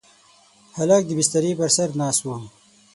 هلک د بسترې پر سر ناست و.